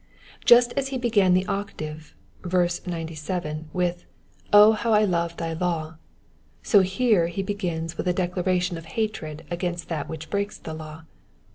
Just as he began the octave, verse 97, with O how I love thy law," so here he begins with a declaration of hatred against that which breaks the law.